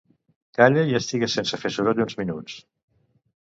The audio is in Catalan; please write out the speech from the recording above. Calla i estigues sense fer soroll uns minuts.